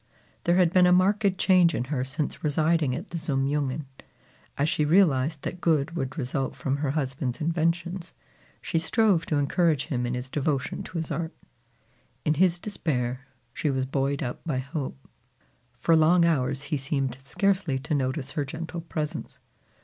There had been a marked change in her since residing at the Zum Jungen. As she realized that good would result from her husband's inventions, she strove to encourage him in his devotion to his art. In his despair, she was buoyed up by hope. For long hours he seemed scarcely to notice her gentle presence.